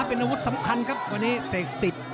เป็นอาวุธสำคัญครับวันนี้เสกสิทธิ์